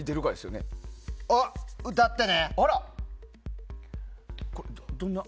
歌ってね。